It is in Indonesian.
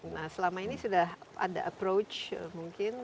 nah selama ini sudah ada approach mungkin